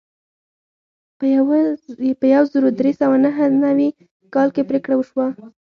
په یو زر درې سوه نهه نوي کال کې پریکړه وشوه.